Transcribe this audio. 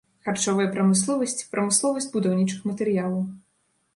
Харчовая прамысловасць, прамысловасць будаўнічых матэрыялаў.